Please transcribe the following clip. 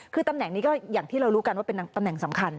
คือตำแหน่งนี้ก็อย่างที่เรารู้กันว่าเป็นตำแหน่งสำคัญ